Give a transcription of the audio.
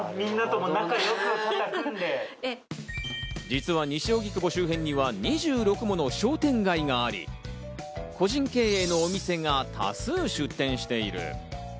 実は西荻窪周辺には２６もの商店街があり、個人経営のお店が多数出店している。